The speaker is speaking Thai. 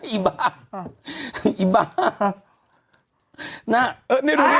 อีบ๊าอีบ๊า